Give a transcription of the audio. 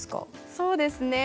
そうですね。